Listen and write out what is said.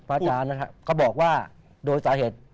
อาจารย์นะครับเขาบอกว่าโดยสาเหตุ